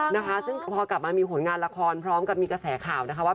นะคะซึ่งพอกลับมามีผลงานละครพร้อมกับมีกระแสข่าวนะคะว่า